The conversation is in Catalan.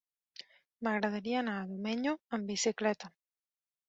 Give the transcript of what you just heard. M'agradaria anar a Domenyo amb bicicleta.